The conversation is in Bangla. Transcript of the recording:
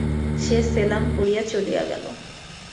সে সেলাম করিয়া চলিয়া গেল।